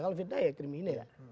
kalau fitnah ya kriminer